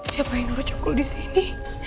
siapa yang ngerucuk disini